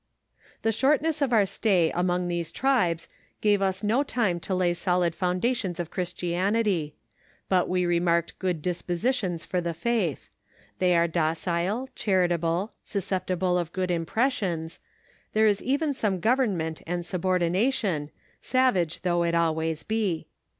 The shortness of our stay among these tribes gave us no time to lay solid foundations of Christianity; but we re marked good dispositions for the faith ; they are docile, char itable, susceptible of good impressions ; there is even some government and subordination, savage though it always be.